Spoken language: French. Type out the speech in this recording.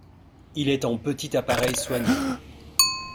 Il est en petit appareil soigné.